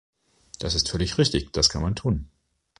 Das ist völlig richtig, das kann man tun.